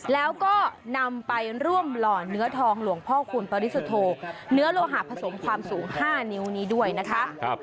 แล้วก็นำไปร่วมหล่อเนื้อทองหลวงพ่อคูณปริสุทธโธเนื้อโลหะผสมความสูง๕นิ้วนี้ด้วยนะคะ